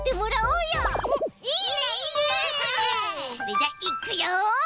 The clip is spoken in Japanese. それじゃいくよ！